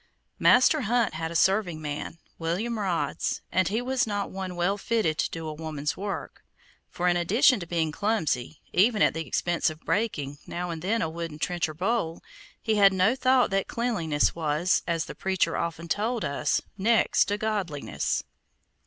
Master Hunt had a serving man, William Rods, and he was not one well fitted to do a woman's work, for in addition to being clumsy, even at the expense of breaking now and then a wooden trencher bowl, he had no thought that cleanliness was, as the preacher often told us, next to godliness.